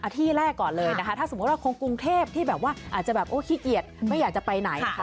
ที่แรกก่อนเลยนะคะถ้าสมมุติว่าคนกรุงเทพที่แบบว่าอาจจะแบบโอ้ขี้เกียจไม่อยากจะไปไหนนะคะ